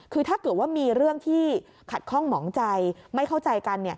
คือถ้าเกิดว่ามีเรื่องที่ขัดข้องหมองใจไม่เข้าใจกัน